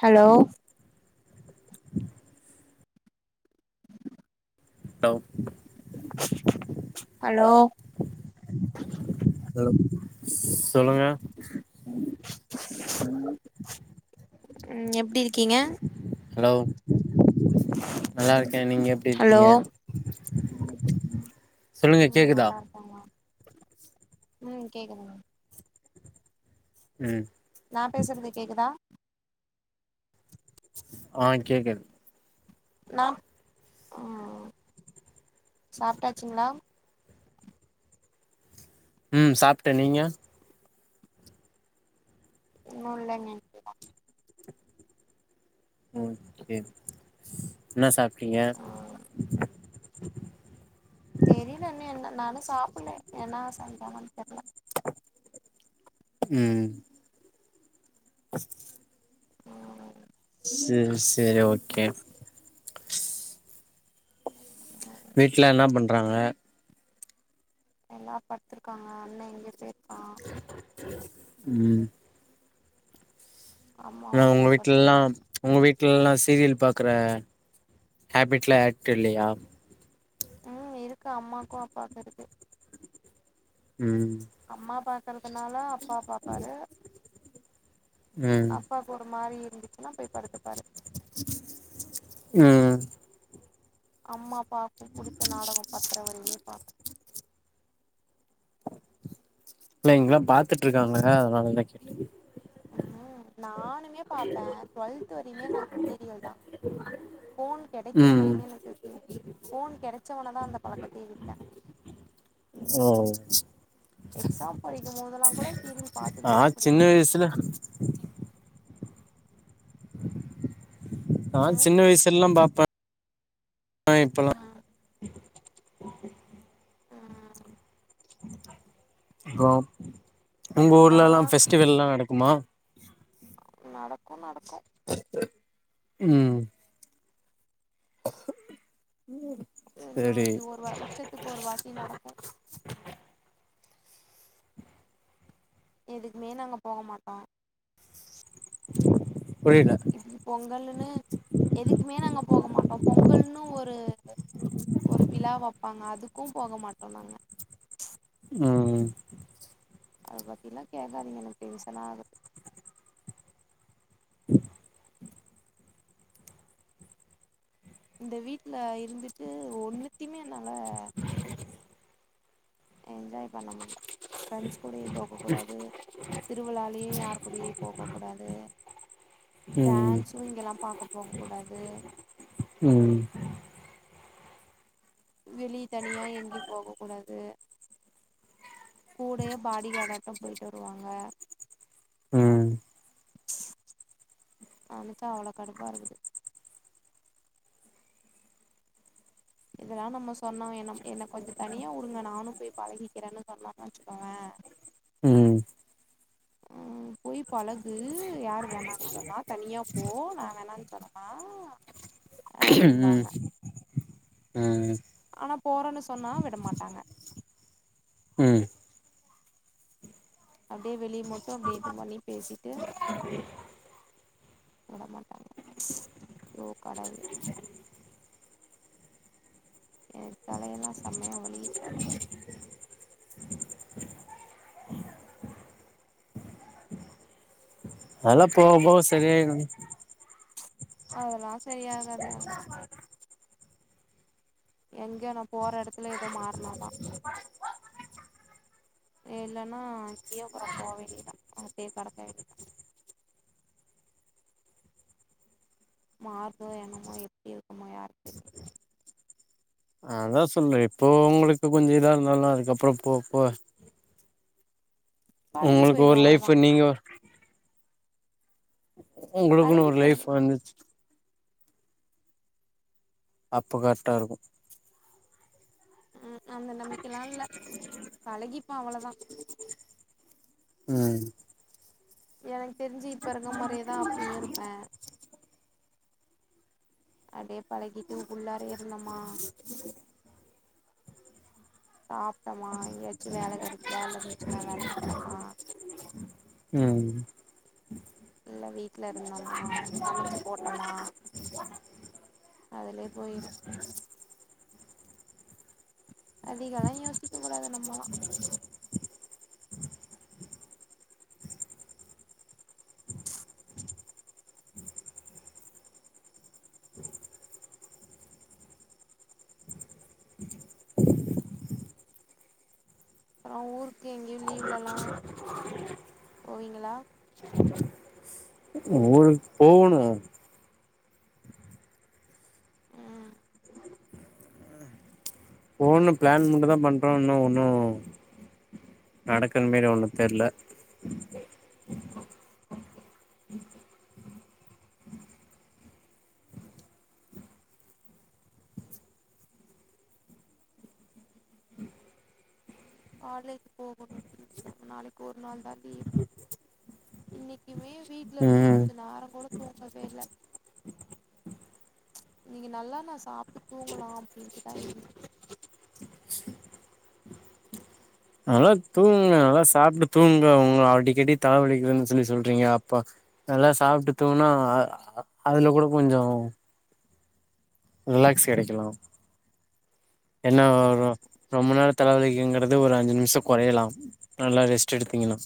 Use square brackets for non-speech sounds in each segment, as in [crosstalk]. hello டவ் hello hello சொல்லுங்க ம் எப்டி இருக்கீங்க ஹலோ நல்லா இருக்கே நீங்க எப்டி ஹலோ இருக்கீங்க சொல்லுங்க கேக்குதா ஆமா ம் கேக்குதுங்க ம் நா பேசுறது கேக்குதா ஆ கேக்குது ஹலோ ஆ சாப்ட்டாச்சுங்ளா ம் சாப்ட்டே நீங்க இன்னு இல்லங்க ம் ஓகே என்ன சாப்ட்டீங்க ம் தெரியல இன்னு என்ன நா இன்னு சாப்பல்ல என்ன சமைப்பாங்கனு தெர்ல ம் ஆ சேரி சேரி ஓகே ஆ வீட்ல என்ன பண்றாங்க எல்லா படுத்துருக்காங்க அண்ணன் எங்கயோ போயிருக்கான் ம் அம்மாவும் படுத்துருக்காங்க உங்கள் வீட்லலாம் சீரியல் பார்க்குற ஹேபிட்லாம் ஆக்ட் இல்லையா ம் இருக்கு அம்மாக்கும் அப்பாவுக்கும் இருக்கு ம் அம்மா பாக்கறதுனால அப்பா பாப்பாரு ம் அப்பாக்கு ஒரு மாரி இருந்துச்சுன்னா போய் படுத்துப்பாரு ம் அம்மா பாக்கும் புடிச்ச நாடகம் பத்தர வரையுமே பாக்கும் இல்ல இங்களாம் பாத்துட்டு இருக்காங்க அதனாலதான் கேட்ட ஆ நானுமே பார்ப்பே டுவெல்த் த்து வரையுமே சீரியல் தான் போன் கிடைக்கிற ம் வரையுமே எனக்கு சீரியல் ஃபோன் கிடைச்சவனே தான் அந்த பழக்கத்தையே விட்ட ஓ எக்ஸாம் படிக்கும்போதெல்லாம் கூட சீரியல் நா பாத்துக்கிட்டே தா சின்ன படிப்பே வயசுல நா ம் சின்ன வயசுலல்லாம் பார்ப்பேன் ஆனா இப்பல்லா ம் ஆ ப்ரோ உங்க நா ஊர்ல எல்லாம் பெஸ்டிவல்லாம் நடக்குமா நடக்கும் நடக்கும் ம் என் சரி நாக்கு ஒரு வ வருஷத்துக்கு ஒரு வாட்டி நடக்கும் எதுக்குமே நாங்க போக மாட்டோம் புரில இ பொங்கலுனு எதுக்குமே நாங்க போக மாட்டோம் பொங்கல்னு ஒரு அ ஒரு விழா வைப்பாங்க அதுக்கும் போக மாட்டோம் நாங்க ம் ம் அதை பத்திலாம் கேட்காதிங்க எனக்கு டென்ஷன் ஆகுது இந்த வீட்ல இருந்துட்டு ஒன்னுத்தையுமே என்னால என்ஜாய் பண்ண முடில ஃப்ரெண்ட்ஸ் கூடையும் போக கூடாது திருவிழாலயு யாரு கூடயு போகக் கூடாது ம் டான்ஸ் இங்கெல்லா பாக்க போக கூடாது ம் வெளிய தனியா எங்கயு போக கூடாது கூடயே பாடி காடாட்டம் போயிட்டு வருவாங்க ம் ஆனால தா அவள கடுப்பா இருக்குது இதெல்லா நம்ம சொன்னோ என்ன என்ன கொஞ்ச தனியா உடுங்க நானும் போய் பழகிக்கிறேன்னு சொன்னான்னு வச்சுக்கோவே ம் போய் பழகு யார் வேணான்னு சொன்னா தனியா போ நா வேணான்னு சொன்ன ஆ ம் அடிம்பாங்க ம் ஆனா போறேன்னு சொன்னா விடமாட்டாங்க ம் அப்டியே வெளிய மட்டும் அப்டியே இது பண்ணி பேசிட்டு விட மாட்டாங்க அயோ கடவுளே ஏ தலையெல்லா செம்மையா வலிகுது வேற அதெல்லா போவ போவ சரியாய்டும் அதெல்லாம் சரியாகாதுயா நீ வேற எங்க நா போற எடத்துல ஏதோ மாறுனாதா இல்லன்னா அங்கியே கூட போக வேண்டியதுதா அப்டியே கடக்க வேண்டியதுதா மாறுதோ என்னமோ எப்டி இருக்குமோ யாருக்கு தெரியும் அதா சொல்றே இப்போ உங்களுக்கு கொஞ்சம் இதா இருந்தாலும் அதுக்கப்றோ போ போவ பழகி உங்களுக்கு போயிரு ஒரு அவ்ளோதா லைஃப்பு நீங்க உங்களுக்குன்னு பழகி ஒரு லைஃப் போயிரு வந்துச்சு அப்ப கர்ட்டா இருக்கும் ம் அந்த நம்பிக்கல்லா இல்ல பழகிப்போ அவ்ளதா ம் எனக்கு தெரிஞ்சி இப்ப இருக்க மாரியே தா அப்பயு இருப்பே அப்டியே பழகிட்டு உள்ளார இருந்தமா சாப்டமா எங்கயாச்சும் வேல கெடகுத வேல இருந்துச்சுன்னா வேலைக்கு போறமா ம் இல்ல வீட்ல இருந்தோமா சமச்சி போட்டமா அதலே போய்ரும் அதிகலா யோசிக்க கூடாது நம்மலா அப்றம் ஊருக்கு எங்கேயும் லீவ்லலா போவீங்களா ஊருக்கு போகணு ஆ ஒன்னு பிளான் மட்டும் தா பண்ணுறோ இன்னு ஒன்னும் நடக்குற மாரி ஒன்னும் தெர்ல காலேஜ் போகணும் நாளைக்கு ஒரு நாள் தா லீவு இன்னைக்குமே வீட்டு்ல இருந்து ம் கொஞ்ச நேரோ கூட தூங்கவே இல்ல இன்னைக்கு நல்லா நா சாப்ட்டு தூங்கலா அப்டின்ட்டுதா இருந்தே நல்லா தூங்குங்க நல்லா சாப்ட்டு தூங்க உங்க அடிக்கடி தலவலிக்துன்னு சொல்லி சொல்றீங்க அப்ப நல்லா சாப்ட்டு தூங்ககுன அதுல கூட கொஞ்சம் ரிலாக்ஸ் கெடைக்கலாம் என்ன ஒரு ரொம்ப நேர தலவலிக்குங்கிறது ஒரு அஞ்சு நிமிஷம் கொறையலாம் நல்லா ரெஸ்ட் எடுத்தீங்கன்னா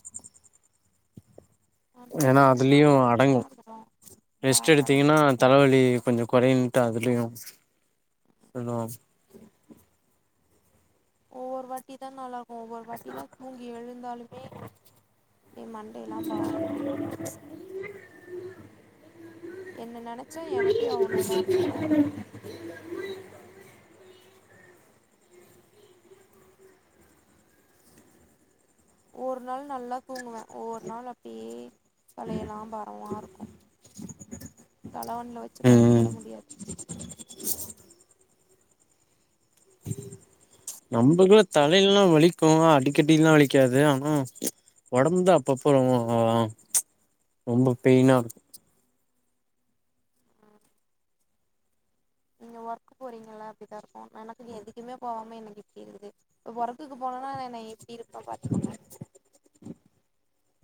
அப்றோ ஏன்னா தூங்கலான்னு அதுலியும் நெனச்சே அடங்கும் அப்றோ ரெஸ்ட் கடைசி எடுத்தீங்கன்னா தலவலி கொஞ்சம் கோரைன்டு அதலியு இன்னு ஒவ்வொரு வாட்டி தா நல்லா இருக்கும் ஒவ்வொரு வாட்டிலும் தூங்கி எழுந்தாலுமே என் மண்டைல்லாம் பாரமா என்ன நெனச்சா எனக்கே அவ்ளோ இதா இருக்கு வேற ஒரு நாள் நல்லா தூங்குவேன் ஒவ்வொரு நாள் அப்டியே தலையெல்லாம் பாரமா இருக்கும் தலவன்ல வெச்சி படுக்க ம் கூட முடியாது நம்பலூக்கே தலையல்லாம் வலிக்கும் அடிக்கடில்லாம் வலிக்காது ஆனா ஒடம்பு தா அப்பப்போ ரொம்ப பெயினா ம் நீங்க ஒர்க் போறீங்கல்ல அப்டிதான் இருக்கும் எனக்கு எதுக்குமே போகாம எனக்கு இப்டி இருக்குது ஒருக்கு போனும்னா ந எப்டி இருப்ப பாத்துக்கோங்க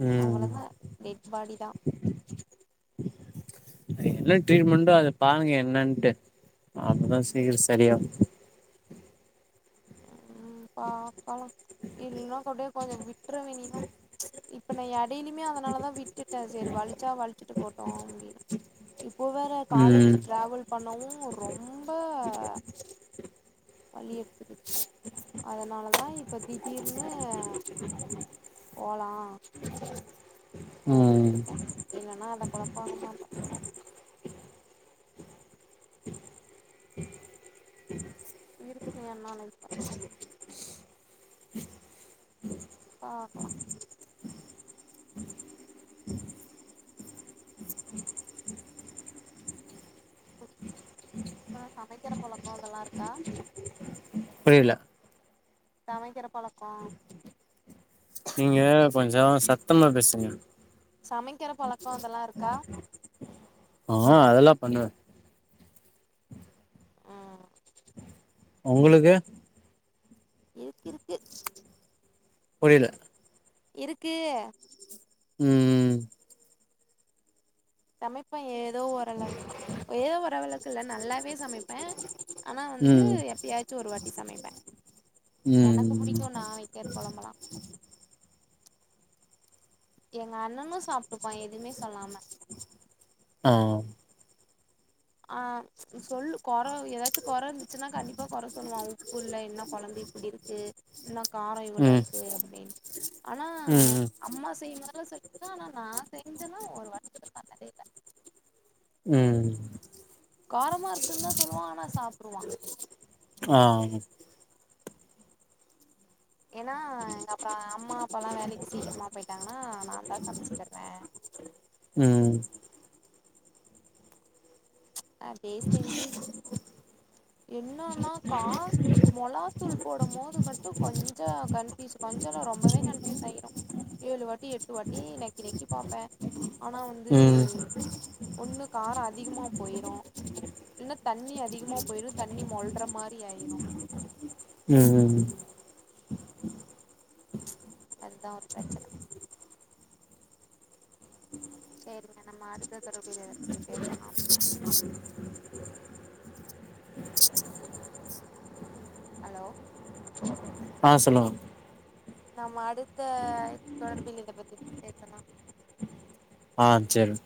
ம் அவளதான் டெட் பாடி தா என்ன ரீட்மெண்ட்டு அத பாருங்க என்னன்ட்டு அப்பதான் சீக்கிரம் செரியாகும் ம் பாக்கலாம் இல்லனா கூட கொஞ்சம் விட்டுறவேனிதா இப்ப நா எடையிலுமே அதனாலதான் விட்டுட்டேன் செரி வலிச்சா வலிச்சுட்டு போட்டோம் அப்டின்னு இப்போ வேற காலேஜி ம் டிரவல் பண்ணவு ரொம்ப வலியே அதனாலதா இப்ப திடீர்னு போலா [inaudible] ம் அப்டின்யிருக்கே என்னன்னா அத குழபாங்மாட்டே இருக்குது என் நால பண்ண பாக்கால அப்றோ சமைக்கிற பழக்கோ அதெல்லா இருக்கா புரியல சமைக்கிற பழக்கோ நீங்க கொஞ்சோ சத்தமா பேசுங்க சமைக்கிற பழக்கோ அதெல்லா இருக்கா ஆ அதெல்லாம் பண்ணுவே ம் உங்களுக்கு இருக்கு இருக்கு புரியல இருக்கு ம் சமைப்பேன் ஏதோ ஓரளவுக்கு ஏதோ ஓரளவுக்கு இல்ல நல்லாவே சமைப்பே ஆனா வந்து ம் எப்பயாச்சும் ஒரு வாட்டி சமைப்பேன் எனக்கு ம் பிடிக்கும் நா வைக்கற குழம்பலாம் எங்க அண்ணனும் சாப்ட்டுப்பான் எதுமே சொல்லாம ஆ ஆ சொல்லு கோற ஏதாச்சும் கோற இருந்துச்சுன்னா கண்டிப்பா கோற சொல்லுவா உப்புல்ல என்ன குழம்பு இப்டி இருக்கு என்ன காரோ இ்வ்ளோ ம் இருக்கு அப்டீன்னு ஆனா ம் அம்மா செய்யும் போதெல்லா சொல்வே ஆனா நா செஞ்சேன்னா ஒரு [unintelligible] இல்ல உம் காரமா இருக்குன்னு தா சொல்லுவா ஆனா சாப்ட்றுவா அ ஏன்னா எங்க அப்பா அம்மா அப்பால்லா வேலைக்கி சீக்கிரமா போயிட்டாங்கன்னா நா தா சமைச்சு தருவே ம் அப்டியே செஞ்சி என்னன்னா கா மொளாத்தூள் போடும் போது மட்டு கொஞ்சொ கன்பீஸ் கொஞ்சோலால்ல ரொம்பவே கன்ஃப்யூஸ் ஆயிரோ ஏழு வாட்டி எட்டு வாட்டி நக்கி நக்கி பாப்பே ஆனா வந்து ம் ஒண்ணு காரோ அதிகமா போயிரோ இல்ல தண்ணி அதிகமா போயிரோ தண்ணி மொல்ற மாரி ஆயிரோ ம் ம் ம் அதுதா ஒரு பிரச்சன செரிங்க நம்ம அடுத்த தலப்புல இத பத்தி பேசலாம் ஹலோ ஆ சொல்லுங்க நாம அடுத்த தொடர்புல இத பத்தி பேசலாம் ஆ செரிங்க